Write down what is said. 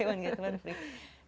saya mau juga